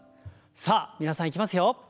さあ皆さんいきますよ。